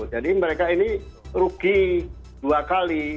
jadi mereka ini rugi dua kali